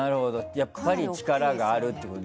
やっぱり力があるということで。